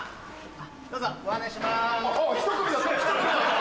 どうぞご案内します。